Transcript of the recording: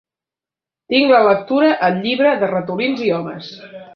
Tinc la lectura el llibre, de ratolins i homes.